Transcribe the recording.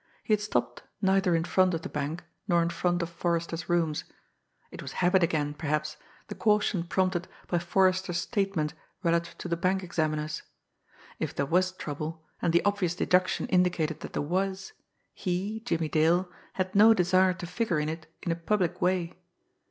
He had stopped neither in front of the bank, nor in front of Forrester's rooms it was habit again, perhaps, the caution prompted by Forrester's statement relative to the bank examiners. If there was trouble, and the obvious deduction indicated that there was, he, Jimmie Dale, had no desire to figure in it in a public way.